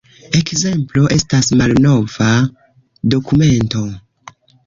Ekzemplo estas malnova dokumento.